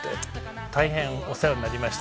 大変お世話になりました。